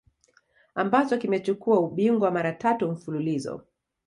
ambacho kimechukua ubingwa mara tatu mfululizo